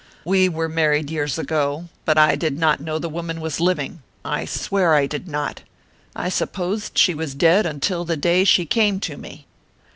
"We were married years ago, but I did not know the woman was living; I swear I did not. I supposed she was dead until the day she came to me."